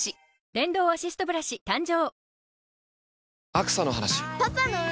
電動アシストブラシ誕生